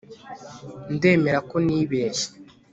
ndemera ko nibeshye